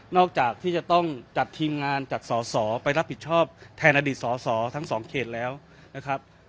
อกจากที่จะต้องจัดทีมงานจัดสอสอไปรับผิดชอบแทนอดีตสอสอทั้งสองเขตแล้วนะครับ